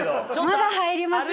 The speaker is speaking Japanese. まだ入りますよ。